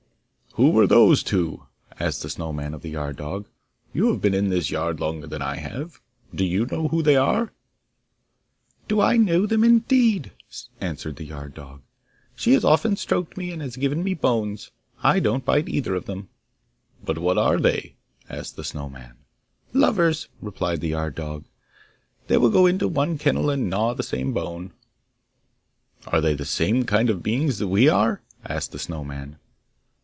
'Who were those two?' asked the Snow man of the yard dog. 'You have been in this yard longer than I have. Do you know who they are?' 'Do I know them indeed?' answered the yard dog. 'She has often stroked me, and he has given me bones. I don't bite either of them!' 'But what are they?' asked the Snow man. 'Lovers!' replied the yard dog. 'They will go into one kennel and gnaw the same bone!' 'Are they the same kind of beings that we are?' asked the Snow man.